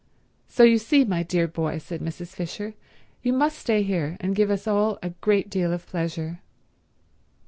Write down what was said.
"So you see, my dear boy," said Mrs. Fisher, "you must stay here and give us all a great deal of pleasure."